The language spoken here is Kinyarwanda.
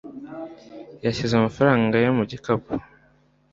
yashyize amafaranga ye mu gikapu